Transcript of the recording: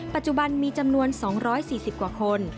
ปัจจุบันมีจำนวน๒๔๐กว่าคน